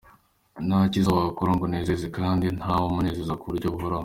Ntacyiza wakora ngo umunezeze kandi ntawe umunezeza ku buryo buhoraho.